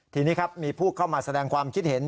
ทีนี้ครับมีผู้เข้ามาแสดงความคิดเห็น